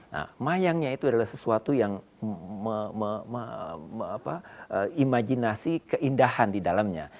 nah mayangnya itu adalah sesuatu yang imajinasi keindahan di dalamnya